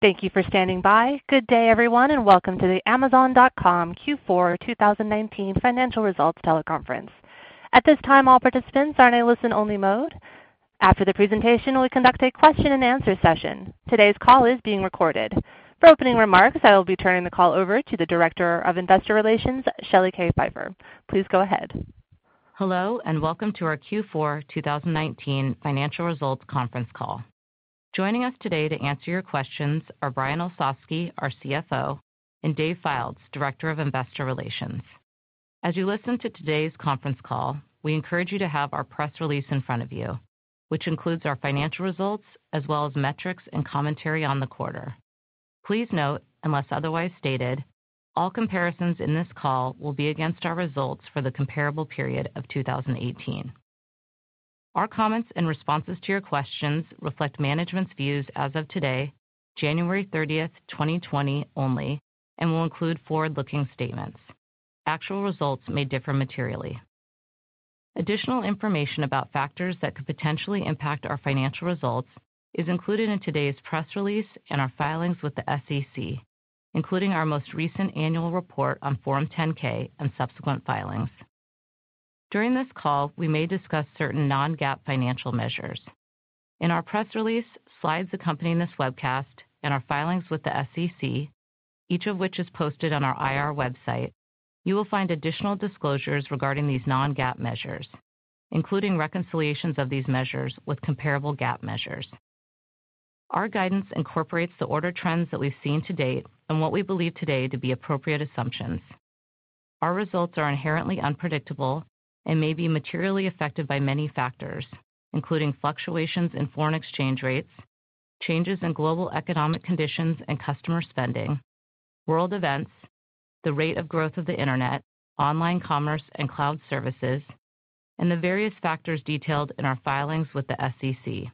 Thank you for standing by. Good day, everyone, and welcome to the Amazon.com Q4 2019 Financial Results Teleconference. At this time, all participants are in a listen-only mode. After the presentation, we'll conduct a question and answer session. Today's call is being recorded. For opening remarks, I will be turning the call over to the Director of Investor Relations, Shelley K. Pfeiffer. Please go ahead. Hello, and welcome to our Q4 2019 financial results conference call. Joining us today to answer your questions are Brian Olsavsky, our CFO, and Dave Fildes, Director of Investor Relations. As you listen to today's conference call, we encourage you to have our press release in front of you, which includes our financial results, as well as metrics and commentary on the quarter. Please note, unless otherwise stated, all comparisons in this call will be against our results for the comparable period of 2018. Our comments and responses to your questions reflect management's views as of today, January 30th, 2020 only, and will include forward-looking statements. Actual results may differ materially. Additional information about factors that could potentially impact our financial results is included in today's press release and our filings with the SEC, including our most recent annual report on Form 10-K and subsequent filings. During this call, we may discuss certain non-GAAP financial measures. In our press release, slides accompanying this webcast, and our filings with the SEC, each of which is posted on our IR website, you will find additional disclosures regarding these non-GAAP measures, including reconciliations of these measures with comparable GAAP measures. Our guidance incorporates the order trends that we've seen to date and what we believe today to be appropriate assumptions. Our results are inherently unpredictable and may be materially affected by many factors, including fluctuations in foreign exchange rates, changes in global economic conditions and customer spending, world events, the rate of growth of the internet, online commerce and cloud services, and the various factors detailed in our filings with the SEC.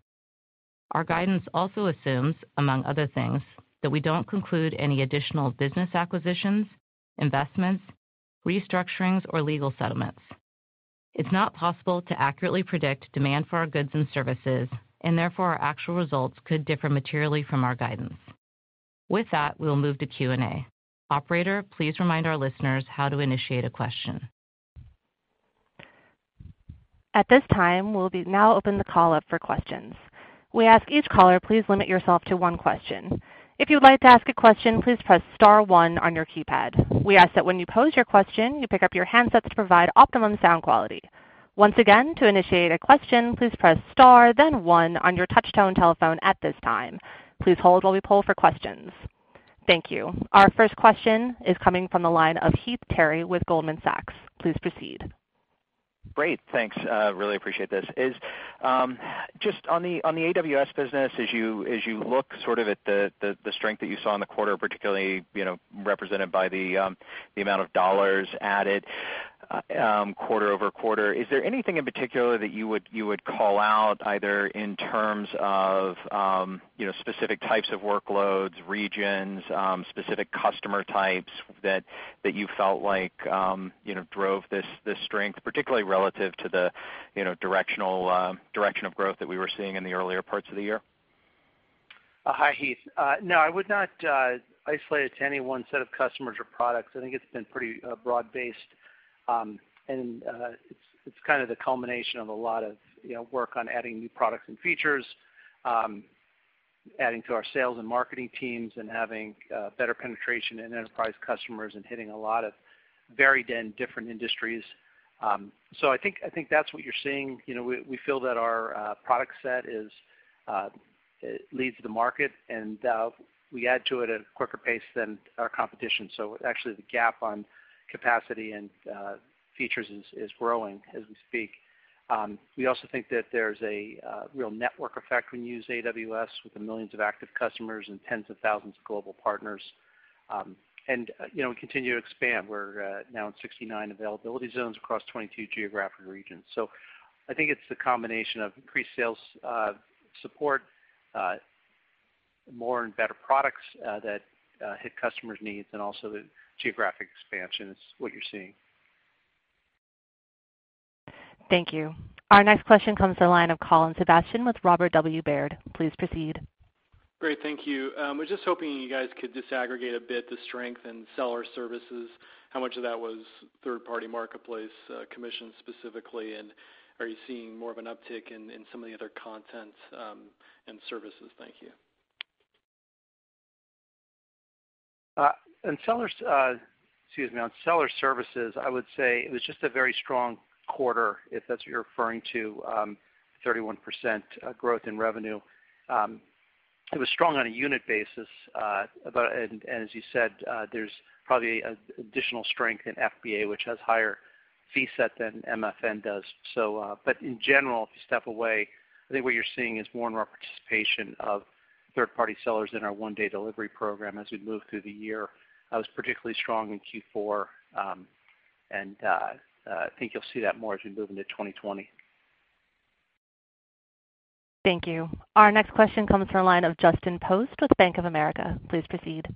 Our guidance also assumes, among other things, that we don't conclude any additional business acquisitions, investments, restructurings, or legal settlements. It's not possible to accurately predict demand for our goods and services, and therefore, our actual results could differ materially from our guidance. With that, we'll move to Q&A. Operator, please remind our listeners how to initiate a question. At this time, we'll now open the call up for questions. We ask each caller, please limit yourself to one question. If you would like to ask a question, please press star one on your keypad. We ask that when you pose your question, you pick up your handsets to provide optimum sound quality. Once again, to initiate a question, please press star one on your touch-tone telephone at this time. Please hold while we poll for questions. Thank you. Our first question is coming from the line of Heath Terry with Goldman Sachs. Please proceed. Great. Thanks. Really appreciate this. Just on the AWS business, as you look sort of at the strength that you saw in the quarter, particularly represented by the amount of dollars added quarter-over-quarter, is there anything in particular that you would call out either in terms of specific types of workloads, regions, specific customer types that you felt like drove this strength, particularly relative to the direction of growth that we were seeing in the earlier parts of the year? Hi, Heath. I would not isolate it to any one set of customers or products. I think it's been pretty broad-based, and it's kind of the culmination of a lot of work on adding new products and features, adding to our sales and marketing teams, and having better penetration in enterprise customers and hitting a lot of varied and different industries. I think that's what you're seeing. We feel that our product set leads the market, and we add to it at a quicker pace than our competition. Actually, the gap on capacity and features is growing as we speak. We also think that there's a real network effect when you use AWS with the millions of active customers and tens of thousands of global partners. We continue to expand. We're now in 69 availability zones across 22 geographic regions. I think it's the combination of increased sales support, more and better products that hit customers' needs, and also the geographic expansion is what you're seeing. Thank you. Our next question comes to the line of Colin Sebastian with Robert W. Baird. Please proceed. Great. Thank you. I was just hoping you guys could disaggregate a bit the strength in seller services, how much of that was third-party marketplace commissions specifically, and are you seeing more of an uptick in some of the other content and services? Thank you. On seller services, I would say it was just a very strong quarter, if that's what you're referring to, 31% growth in revenue. It was strong on a unit basis. As you said, there's probably additional strength in FBA, which has higher fee set than MFN does. In general, if you step away, I think what you're seeing is more and more participation of third-party sellers in our One-Day Delivery program as we move through the year. That was particularly strong in Q4, and I think you'll see that more as we move into 2020. Thank you. Our next question comes from the line of Justin Post with Bank of America. Please proceed.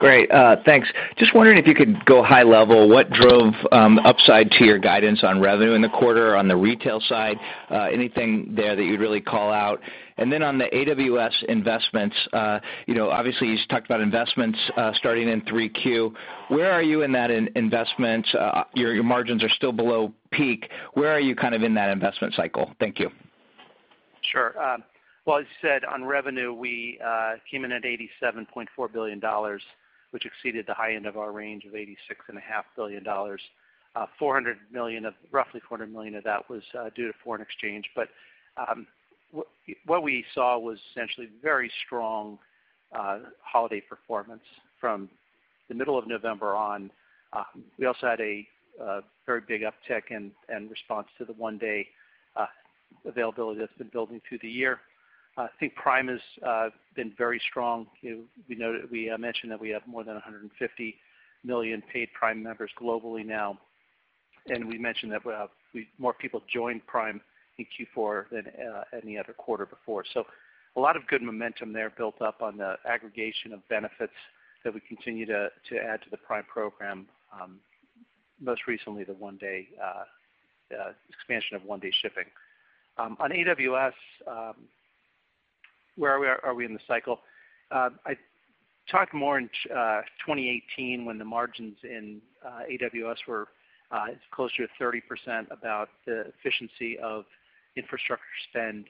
Great. Thanks. Just wondering if you could go high level, what drove upside to your guidance on revenue in the quarter on the retail side? Anything there that you'd really call out? On the AWS investments, obviously you talked about investments starting in 3Q. Where are you in that investment? Your margins are still below peak. Where are you in that investment cycle? Thank you. Sure. Well, as you said, on revenue, we came in at $87.4 billion, which exceeded the high end of our range of $86.5 billion. Roughly $400 million of that was due to foreign exchange. What we saw was essentially very strong holiday performance from the middle of November on. We also had a very big uptick in response to the One-Day availability that's been building through the year. I think Prime has been very strong. We mentioned that we have more than 150 million paid Prime members globally now, and we mentioned that more people joined Prime in Q4 than any other quarter before. A lot of good momentum there built up on the aggregation of benefits that we continue to add to the Prime program, most recently, the expansion of One-Day shipping. On AWS, where are we in the cycle? I talked more in 2018 when the margins in AWS were closer to 30% about the efficiency of infrastructure spend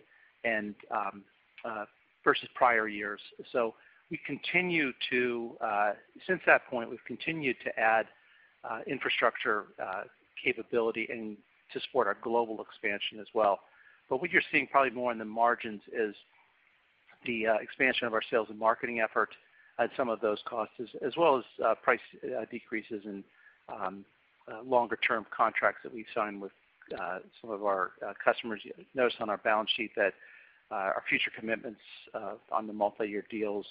versus prior years. Since that point, we've continued to add infrastructure capability, and to support our global expansion as well. What you're seeing probably more in the margins is the expansion of our sales and marketing effort, add some of those costs, as well as price decreases and longer-term contracts that we've signed with some of our customers. You notice on our balance sheet that our future commitments on the multi-year deals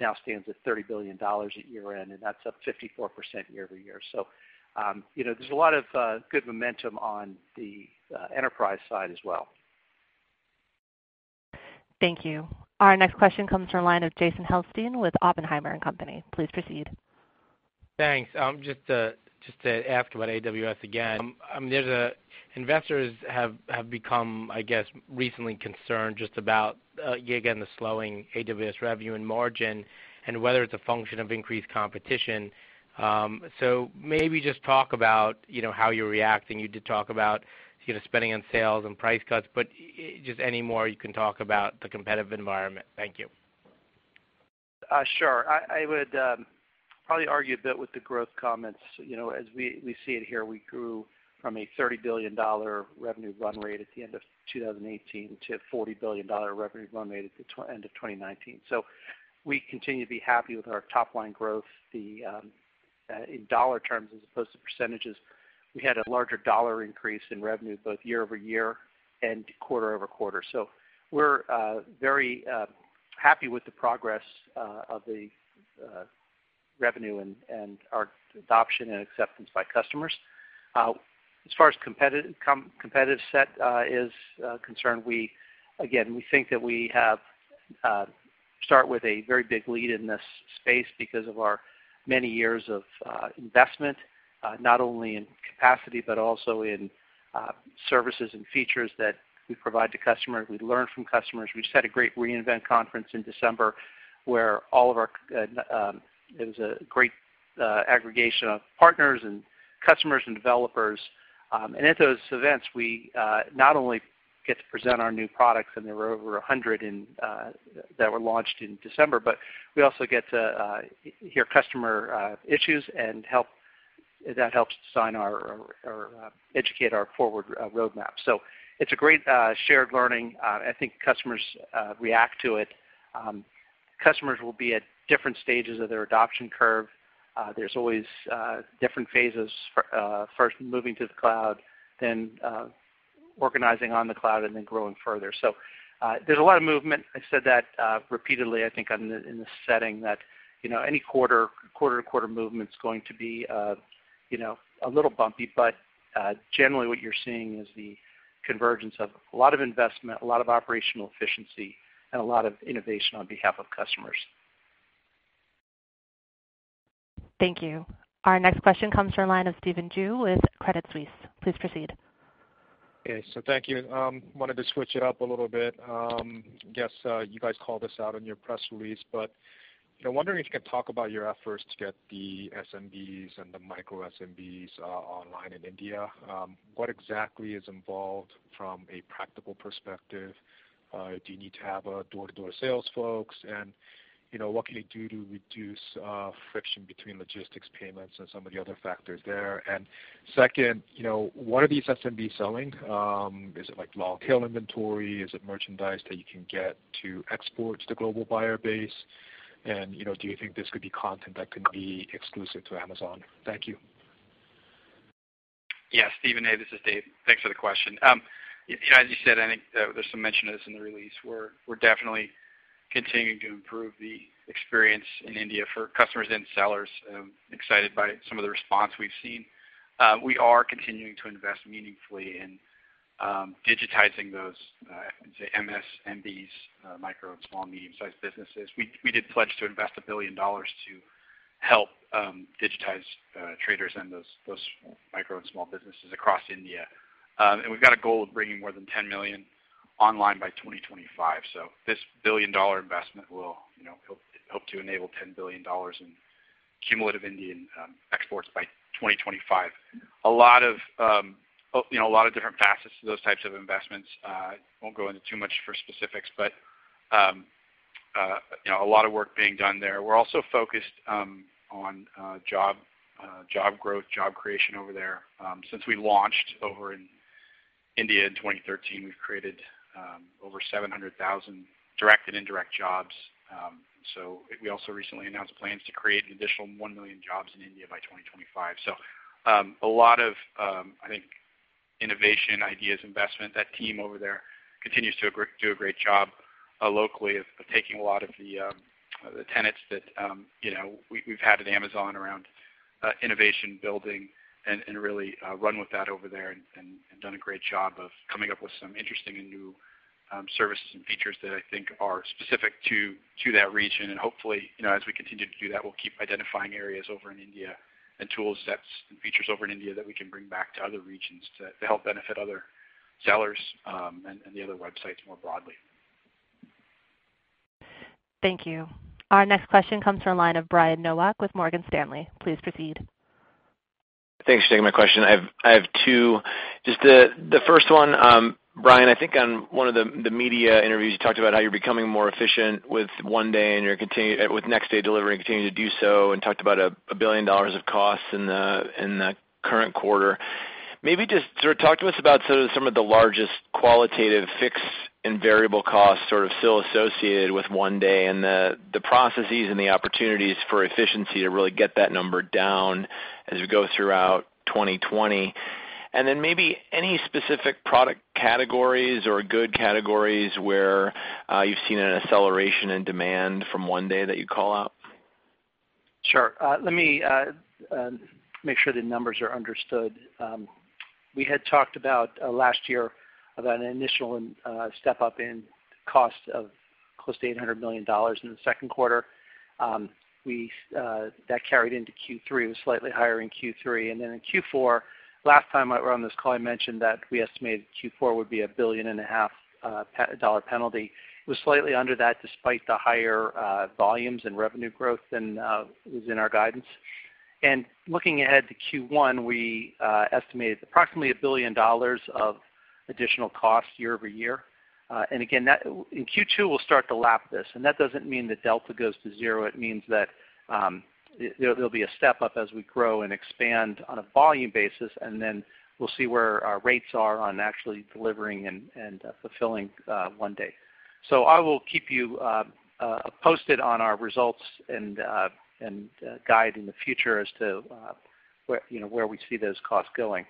now stands at $30 billion at year-end, and that's up 54% year-over-year. There's a lot of good momentum on the enterprise side as well. Thank you. Our next question comes from the line of Jason Helfstein with Oppenheimer and Company. Please proceed. Thanks. Just to ask about AWS again. Investors have become, I guess, recently concerned just about, yet again, the slowing AWS revenue and margin, and whether it's a function of increased competition. Maybe just talk about how you're reacting. You did talk about spending on sales and price cuts, but just any more you can talk about the competitive environment. Thank you. Sure. I would probably argue a bit with the growth comments. As we see it here, we grew from a $30 billion revenue run rate at the end of 2018 to a $40 billion revenue run rate at the end of 2019. We continue to be happy with our top-line growth. In dollar terms, as opposed to percentages, we had a larger dollar increase in revenue both year-over-year and quarter-over-quarter. We're very happy with the progress of the revenue and our adoption and acceptance by customers. As far as competitive set is concerned, again, we think that we start with a very big lead in this space because of our many years of investment, not only in capacity but also in services and features that we provide to customers. We learn from customers. We just had a great reinvent conference in December, where it was a great aggregation of partners and customers and developers. At those events, we not only get to present our new products, and there were over 100 that were launched in December, but we also get to hear customer issues, and that helps design or educate our forward roadmap. It's a great shared learning. I think customers react to it. Customers will be at different stages of their adoption curve. There's always different phases. First moving to the cloud, then organizing on the cloud, and then growing further. There's a lot of movement. I said that repeatedly, I think, in this setting that any quarter-to-quarter movement's going to be a little bumpy. Generally, what you're seeing is the convergence of a lot of investment, a lot of operational efficiency, and a lot of innovation on behalf of customers. Thank you. Our next question comes from the line of Stephen Ju with Credit Suisse. Please proceed. Thank you. Wanted to switch it up a little bit. Guess you guys called this out in your press release, but wondering if you could talk about your efforts to get the SMBs and the micro SMBs online in India. What exactly is involved from a practical perspective? Do you need to have door-to-door sales folks, and what can you do to reduce friction between logistics payments and some of the other factors there? Second, what are these SMB selling? Is it long-tail inventory? Is it merchandise that you can get to export to the global buyer base? Do you think this could be content that could be exclusive to Amazon? Thank you. Yeah, Stephen Ju, this is Dave. Thanks for the question. As you said, I think there's some mention of this in the release. We're definitely continuing to improve the experience in India for customers and sellers. Excited by some of the response we've seen. We are continuing to invest meaningfully in digitizing those, say MSMEs, micro and small, medium-sized businesses. We did pledge to invest a billion dollars to help digitize traders and those micro and small businesses across India. We've got a goal of bringing more than 10 million online by 2025. This billion dollar investment will help to enable $10 billion in cumulative Indian exports by 2025. A lot of different facets to those types of investments. Won't go into too much for specifics, but a lot of work being done there. We're also focused on job growth, job creation over there. Since we launched over in India in 2013, we've created over 700,000 direct and indirect jobs. We also recently announced plans to create an additional 1 million jobs in India by 2025. A lot of, I think, innovation, ideas, investment. That team over there continues to do a great job locally of taking a lot of the tenets that we've had at Amazon around innovation building and really run with that over there and done a great job of coming up with some interesting and new services and features that I think are specific to that region. Hopefully, as we continue to do that, we'll keep identifying areas over in India and tool sets and features over in India that we can bring back to other regions to help benefit other sellers, and the other websites more broadly. Thank you. Our next question comes from the line of Brian Nowak with Morgan Stanley. Please proceed. Thanks for taking my question. I have two. Just the first one, Brian, I think on one of the media interviews, you talked about how you're becoming more efficient with One-Day, and with next-day delivery and continuing to do so and talked about a billion dollar of costs in the current quarter. Maybe just sort of talk to us about some of the largest qualitative fixed and variable costs sort of still associated with One-Day and the processes and the opportunities for efficiency to really get that number down as we go throughout 2020. Then maybe any specific product categories or good categories where you've seen an acceleration in demand from One-Day that you'd call out? Sure. Let me make sure the numbers are understood. We had talked about last year about an initial step-up in cost of close to $800 million in the second quarter. That carried into Q3. It was slightly higher in Q3. Then in Q4, last time I were on this call, I mentioned that we estimated Q4 would be $1.5 billion penalty. It was slightly under that, despite the higher volumes and revenue growth than was in our guidance. Looking ahead to Q1, we estimated approximately a billion dollars of additional cost year-over-year. Again, in Q2, we'll start to lap this, and that doesn't mean the delta goes to zero. It means that there'll be a step-up as we grow and expand on a volume basis, and then we'll see where our rates are on actually delivering and fulfilling One-Day. I will keep you posted on our results and guide in the future as to where we see those costs going.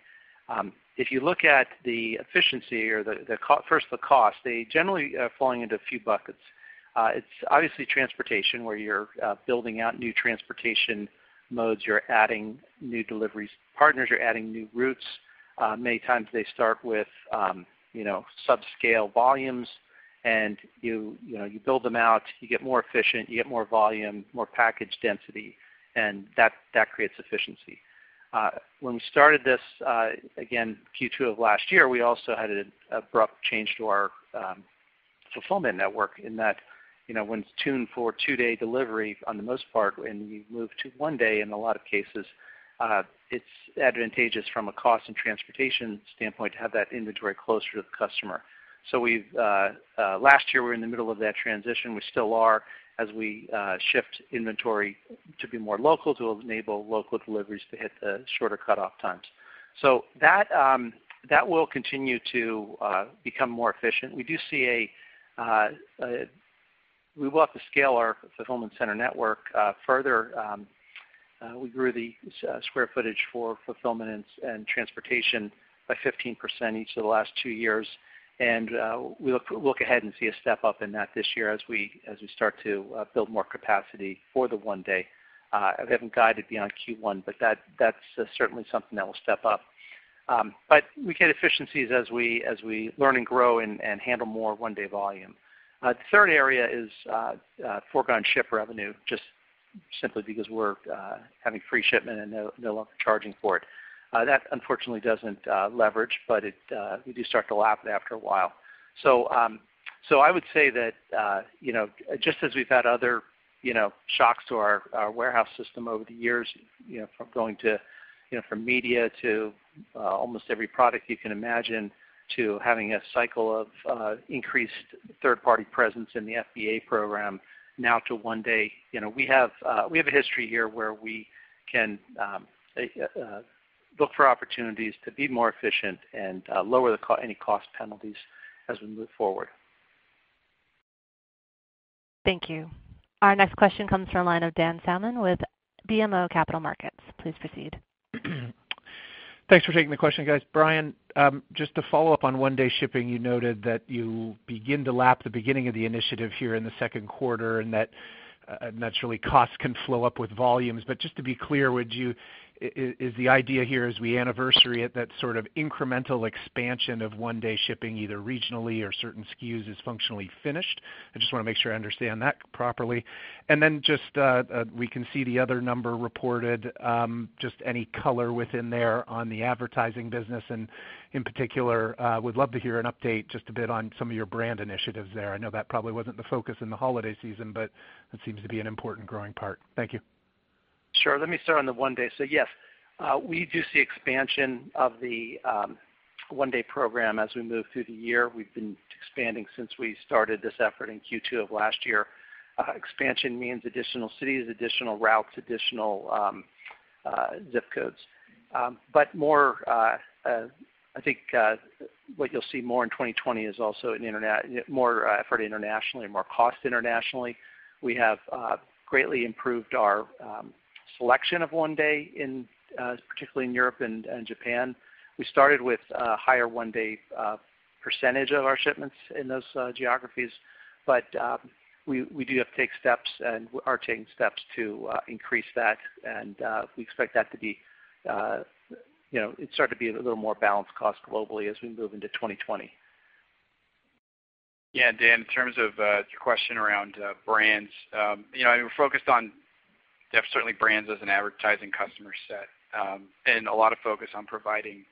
If you look at the efficiency, or first the cost, they generally fall into a few buckets. It's obviously transportation, where you're building out new transportation modes, you're adding new deliveries partners, you're adding new routes. Many times they start with sub-scale volumes, and you build them out, you get more efficient, you get more volume, more package density, and that creates efficiency. When we started this, again, Q2 of last year, we also had an abrupt change to our fulfillment network in that when it's tuned for two-day delivery on the most part, and we've moved to One-Day in a lot of cases, it's advantageous from a cost and transportation standpoint to have that inventory closer to the customer. Last year, we were in the middle of that transition. We still are as we shift inventory to be more local, to enable local deliveries to hit the shorter cutoff times. That will continue to become more efficient. We will have to scale our fulfillment center network further. We grew the square footage for fulfillment and transportation by 15% each of the last two years, and we look ahead and see a step-up in that this year as we start to build more capacity for the One-Day. We haven't guided beyond Q1, that's certainly something that will step up. We get efficiencies as we learn and grow and handle more One-Day volume. The third area is foregone ship revenue, just simply because we're having free shipment and no longer charging for it. That unfortunately doesn't leverage, but we do start to lap it after a while. I would say that, just as we've had other shocks to our warehouse system over the years, from going to media to almost every product you can imagine, to having a cycle of increased third-party presence in the FBA program, now to One-Day. We have a history here where we can look for opportunities to be more efficient and lower any cost penalties as we move forward. Thank you. Our next question comes from the line of Dan Salmon with BMO Capital Markets. Please proceed. Thanks for taking the question, guys. Brian, just to follow up on One-Day shipping, you noted that you begin to lap the beginning of the initiative here in the second quarter, naturally costs can flow up with volumes. Just to be clear, is the idea here as we anniversary it, that sort of incremental expansion of One-Day shipping either regionally or certain SKUs is functionally finished? I just want to make sure I understand that properly. Then just, we can see the other number reported, just any color within there on the advertising business and in particular, would love to hear an update just a bit on some of your brand initiatives there. I know that probably wasn't the focus in the holiday season, but that seems to be an important growing part. Thank you. Sure. Let me start on the One-Day. Yes, we do see expansion of the One-Day program as we move through the year. We've been expanding since we started this effort in Q2 of last year. Expansion means additional cities, additional routes, additional ZIP codes. More, I think, what you'll see more in 2020 is also more effort internationally, more cost internationally. We have greatly improved our selection of One-Day, particularly in Europe and Japan. We started with a higher One-Day percentage of our shipments in those geographies. We do have to take steps, and are taking steps to increase that, and we expect that to start to be at a little more balanced cost globally as we move into 2020. Yeah, Dan, in terms of your question around brands. We're focused on definitely brands as an advertising customer set, and a lot of focus on providing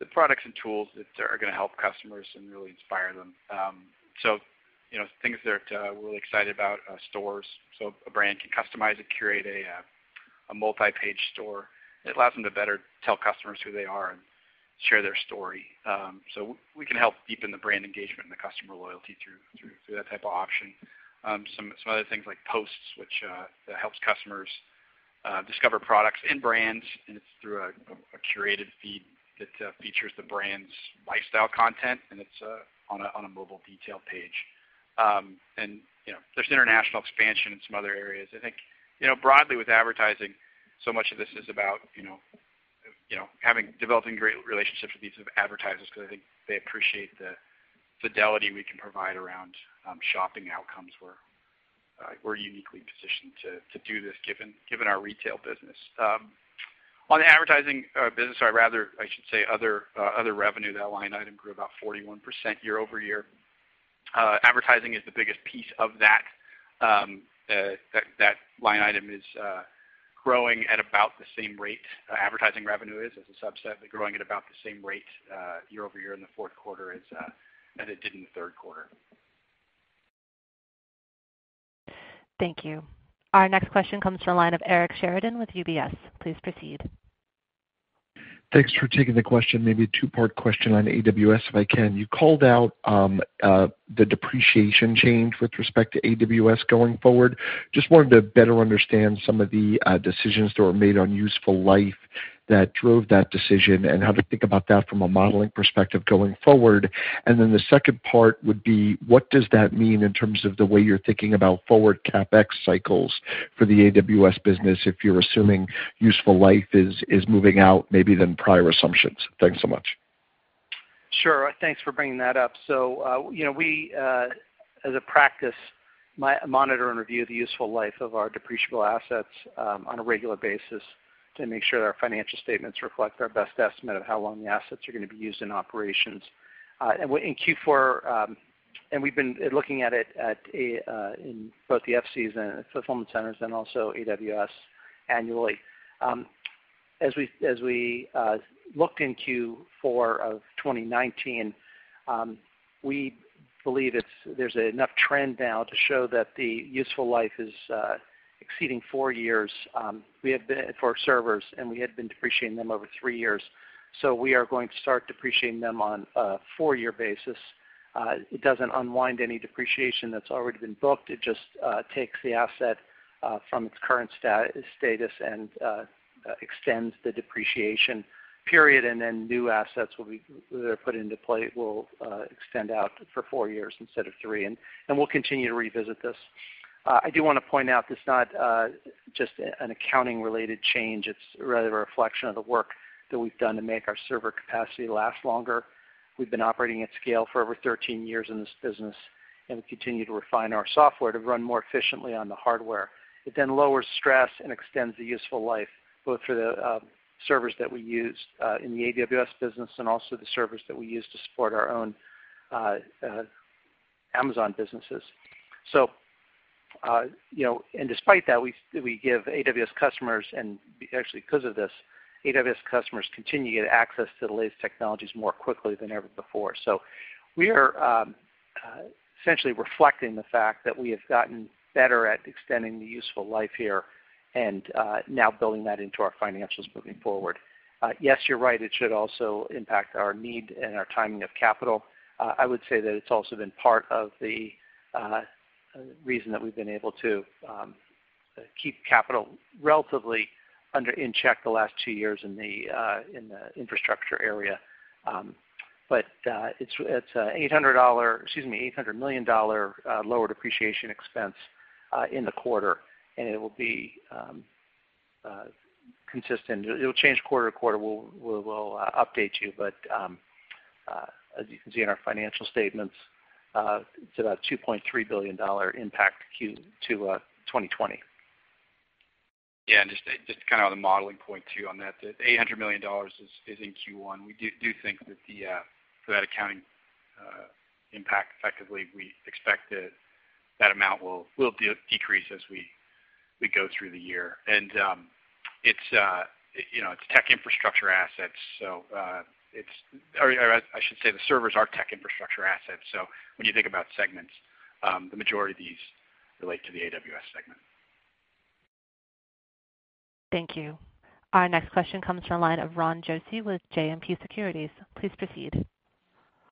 the products and tools that are going to help customers and really inspire them. Things that we're really excited about, stores. A brand can customize and curate a multi-page store that allows them to better tell customers who they are and share their story. We can help deepen the brand engagement and the customer loyalty through that type of option. Some other things like posts, which helps customers discover products and brands, and it's through a curated feed that features the brand's lifestyle content, and it's on a mobile detail page. There's international expansion in some other areas. I think, broadly with advertising, so much of this is about developing great relationships with these advertisers because I think they appreciate the fidelity we can provide around shopping outcomes. We're uniquely positioned to do this, given our retail business. On the advertising business, or rather I should say other revenue, that line item grew about 41% year-over-year. Advertising is the biggest piece of that. That line item is growing at about the same rate. Advertising revenue is, as a subset, growing at about the same rate year-over-year in the fourth quarter as it did in the third quarter. Thank you. Our next question comes from the line of Eric Sheridan with UBS. Please proceed. Thanks for taking the question. Maybe a two-part question on AWS, if I can. You called out the depreciation change with respect to AWS going forward. Just wanted to better understand some of the decisions that were made on useful life that drove that decision, and how to think about that from a modeling perspective going forward. Then the second part would be, what does that mean in terms of the way you're thinking about forward CapEx cycles for the AWS business, if you're assuming useful life is moving out maybe than prior assumptions? Thanks so much. Thanks for bringing that up. We, as a practice, monitor and review the useful life of our depreciable assets on a regular basis to make sure that our financial statements reflect our best estimate of how long the assets are going to be used in operations. In Q4, we've been looking at it in both the FC, fulfillment centers, and also AWS annually. As we looked in Q4 of 2019, we believe there's enough trend now to show that the useful life is exceeding four years for our servers, we had been depreciating them over three years. We are going to start depreciating them on a four-year basis. It doesn't unwind any depreciation that's already been booked. It just takes the asset from its current status and extends the depreciation period. Then new assets that are put into play will extend out for four years instead of three. We'll continue to revisit this. I do want to point out it's not just an accounting-related change. It's really a reflection of the work that we've done to make our server capacity last longer. We've been operating at scale for over 13 years in this business. We continue to refine our software to run more efficiently on the hardware. It lowers stress and extends the useful life, both for the servers that we use in the AWS business and also the servers that we use to support our own Amazon businesses. Despite that, we give AWS customers, and actually because of this, AWS customers continue to get access to the latest technologies more quickly than ever before. We are essentially reflecting the fact that we have gotten better at extending the useful life here and now building that into our financials moving forward. Yes, you're right, it should also impact our need and our timing of capital. I would say that it's also been part of the reason that we've been able to keep capital relatively in check the last two years in the infrastructure area. It's a $800 million lower depreciation expense in the quarter, and it will be consistent. It'll change quarter to quarter. We'll update you, but as you can see in our financial statements, it's about a $2.3 billion impact Q2 2020. Yeah, just on the modeling point too on that $800 million is in Q1. We do think that for that accounting impact, effectively, we expect that amount will decrease as we go through the year. It's tech infrastructure assets, so, or I should say the servers are tech infrastructure assets. When you think about segments, the majority of these relate to the AWS segment. Thank you. Our next question comes from the line of Ron Josey with JMP Securities. Please proceed.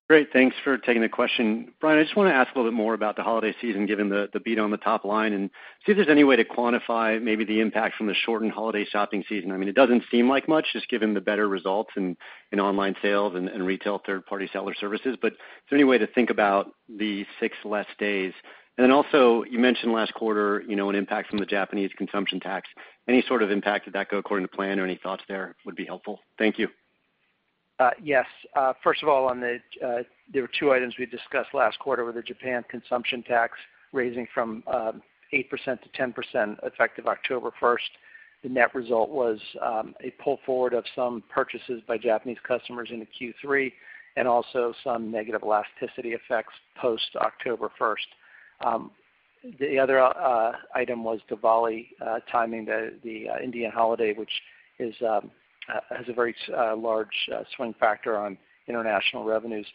Great. Thanks for taking the question. Brian, I just want to ask a little bit more about the holiday season, given the beat on the top line, and see if there's any way to quantify maybe the impact from the shortened holiday shopping season. It doesn't seem like much, just given the better results in online sales and retail third-party seller services, but is there any way to think about the six less days? Also, you mentioned last quarter, an impact from the Japanese consumption tax. Any sort of impact, did that go according to plan or any thoughts there would be helpful? Thank you. Yes. First of all, there were two items we discussed last quarter with the Japan consumption tax raising from 8%-0%, effective October 1st. The net result was a pull forward of some purchases by Japanese customers into Q3, and also some negative elasticity effects post October 1st. The other item was Diwali timing, the Indian holiday, which has a very large swing factor on international revenues.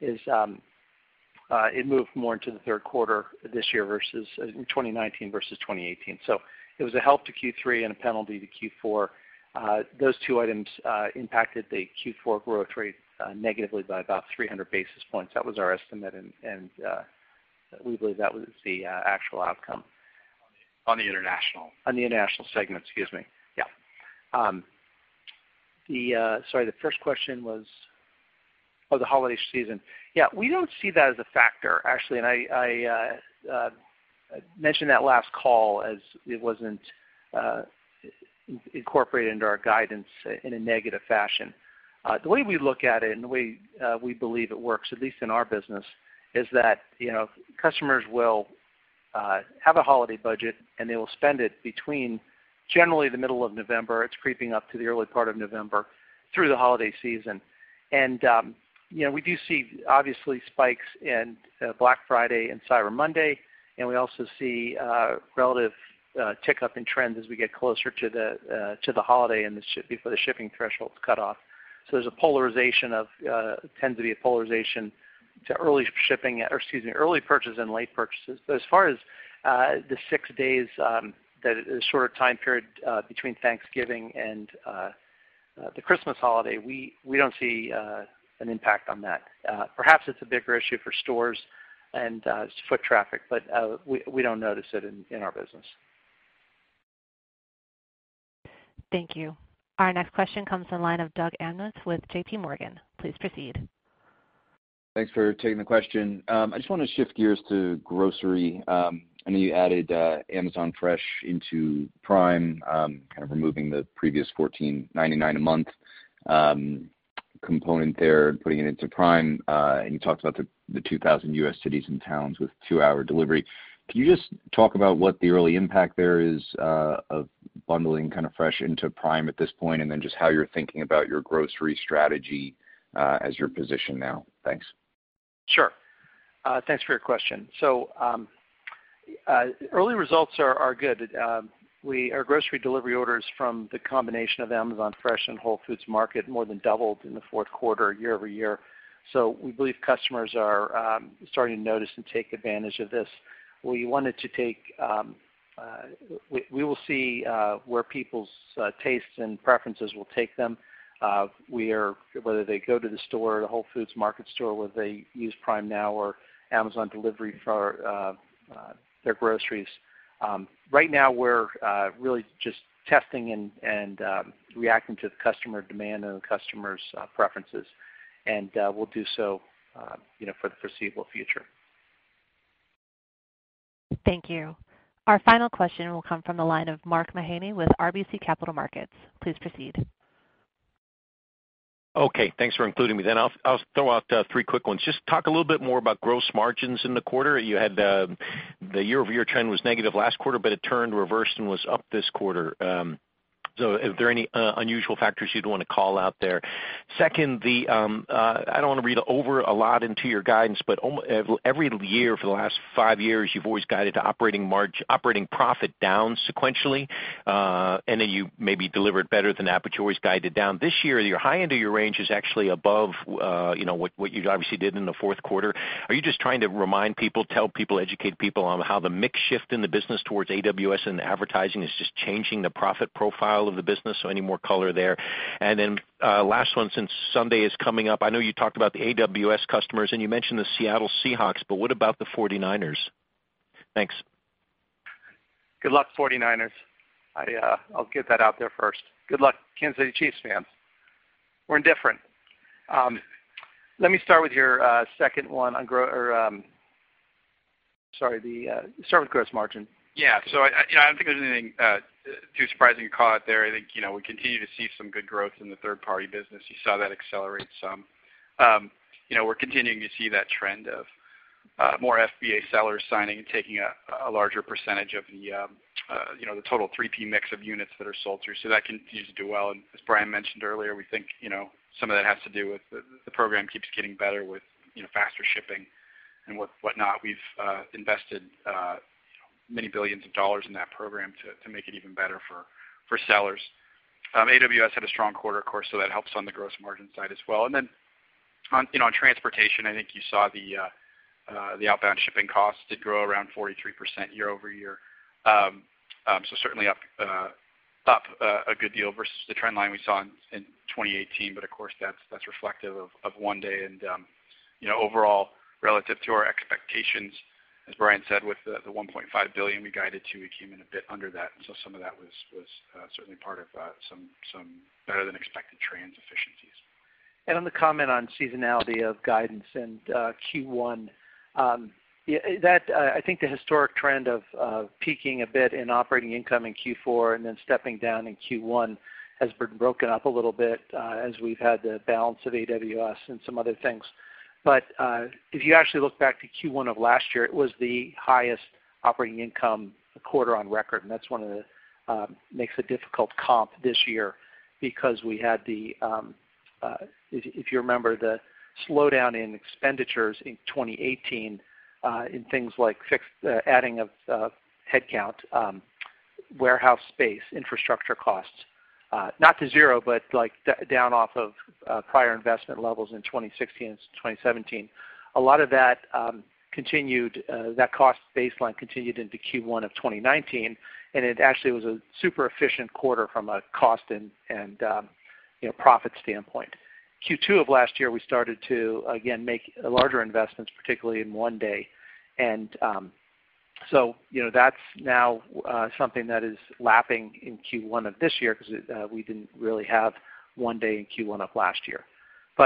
It moved more into the third quarter this year versus in 2019 versus 2018. It was a help to Q3 and a penalty to Q4. Those two items impacted the Q4 growth rate negatively by about 300 basis points. That was our estimate, and we believe that was the actual outcome. On the international. On the international segment, excuse me. Sorry, the first question was the holiday season. We don't see that as a factor, actually, and I mentioned that last call as it wasn't incorporated into our guidance in a negative fashion. The way we look at it, and the way we believe it works, at least in our business, is that customers will have a holiday budget, and they will spend it between generally the middle of November. It's creeping up to the early part of November through the holiday season. We do see, obviously, spikes in Black Friday and Cyber Monday, and we also see a relative tick up in trends as we get closer to the holiday and before the shipping thresholds cut off. There tends to be a polarization to early shipping, or excuse me, early purchases and late purchases. As far as the six days, that shorter time period between Thanksgiving and the Christmas holiday, we don't see an impact on that. Perhaps it's a bigger issue for stores and foot traffic, but we don't notice it in our business. Thank you. Our next question comes to the line of Doug Anmuth with J.P. Morgan. Please proceed. Thanks for taking the question. I just want to shift gears to grocery. I know you added Amazon Fresh into Prime, kind of removing the previous $14.99 a month component there and putting it into Prime. You talked about the 2,000 U.S. cities and towns with two-hour delivery. Can you just talk about what the early impact there is of bundling Fresh into Prime at this point, and then just how you're thinking about your grocery strategy as you're positioned now? Thanks. Sure. Thanks for your question. Early results are good. Our grocery delivery orders from the combination of Amazon Fresh and Whole Foods Market more than doubled in the fourth quarter year-over-year. We believe customers are starting to notice and take advantage of this. We will see where people's tastes and preferences will take them, whether they go to the store, the Whole Foods Market store, whether they use Prime Now or Amazon Delivery for their groceries. Right now we're really just testing and reacting to the customer demand and the customer's preferences, and we'll do so for the foreseeable future. Thank you. Our final question will come from the line of Mark Mahaney with RBC Capital Markets. Please proceed. Okay, thanks for including me. I'll throw out three quick ones. Talk a little bit more about gross margins in the quarter. You had the year-over-year trend was negative last quarter, it turned reverse and was up this quarter. Are there any unusual factors you'd want to call out there? Second, I don't want to read over a lot into your guidance, every year for the last five years, you've always guided the operating profit down sequentially. You maybe delivered better than that, you always guided down. This year, your high end of your range is actually above what you obviously did in the fourth quarter. Are you just trying to remind people, tell people, educate people on how the mix shift in the business towards AWS and advertising is just changing the profit profile of the business? Any more color there? Last one, since Sunday is coming up, I know you talked about the AWS customers, and you mentioned the Seattle Seahawks, but what about the 49ers? Thanks. Good luck, 49ers. I'll get that out there first. Good luck, Kansas City Chiefs fans. We're indifferent. Let me start with your second one on the service gross margin. Yeah. I don't think there's anything too surprising to call out there. I think we continue to see some good growth in the third-party business. You saw that accelerate some. We're continuing to see that trend of more FBA sellers signing and taking a larger percentage of the total 3P mix of units that are sold through. That continues to do well. As Brian mentioned earlier, we think some of that has to do with the program keeps getting better with faster shipping and whatnot. We've invested many billions of dollars in that program to make it even better for sellers. AWS had a strong quarter, of course, so that helps on the gross margin side as well. On transportation, I think you saw the outbound shipping costs did grow around 43% year-over-year. Certainly up a good deal versus the trend line we saw in 2018. Of course, that's reflective of One-Day and overall, relative to our expectations, as Brian said, with the $1.5 billion we guided to, we came in a bit under that. Some of that was certainly part of some better than expected trans efficiencies. On the comment on seasonality of guidance and Q1, I think the historic trend of peaking a bit in operating income in Q4 and then stepping down in Q1 has been broken up a little bit as we've had the balance of AWS and some other things. If you actually look back to Q1 of last year, it was the highest operating income quarter on record, and that's one of the makes a difficult comp this year because we had the, if you remember, the slowdown in expenditures in 2018 in things like adding of headcount, warehouse space, infrastructure costs. Not to zero, but down off of prior investment levels in 2016 and 2017. A lot of that cost baseline continued into Q1 of 2019, and it actually was a super efficient quarter from a cost and profit standpoint. Q2 of last year, we started to, again, make larger investments, particularly in One Day. So that's now something that is lapping in Q1 of this year because we didn't really have One Day in Q1 of last year. So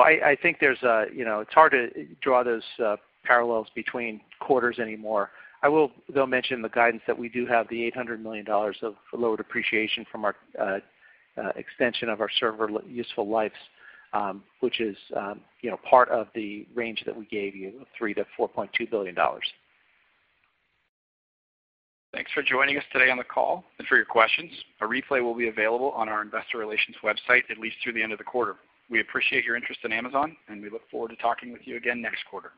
I think it's hard to draw those parallels between quarters anymore. I will, though, mention the guidance that we do have the $800 million of lower depreciation from our extension of our server useful lives, which is part of the range that we gave you of $3 billion-$4.2 billion. Thanks for joining us today on the call and for your questions. A replay will be available on our investor relations website, at least through the end of the quarter. We appreciate your interest in Amazon, we look forward to talking with you again next quarter.